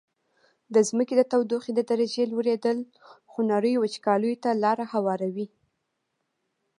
د ځمکي د تودوخي د درجي لوړیدل خونړیو وچکالیو ته لاره هواروي.